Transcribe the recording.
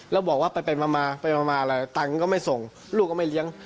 แล้วบอกว่าไปมาไปมาอะไรตังค์ก็ไม่ส่งลูกก็ไม่เลี้ยง